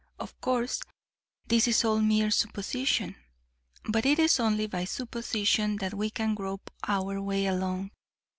Of course, this is all mere supposition, but it is only by supposition that we can grope our way along.